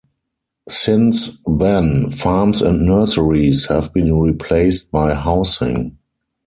Since then, farms and nurseries have been replaced by housing.